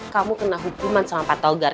kamu kena hukuman sama pak togar